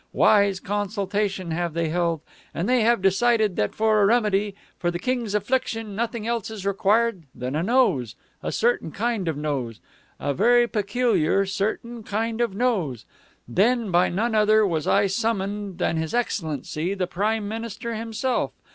Wise consultation have they held, and they have decided that for a remedy for the King's affliction nothing else is required than a nose, a certain kind of nose, a very peculiar certain kind of nose. "Then by none other was I summoned than his excellency the prime minister himself.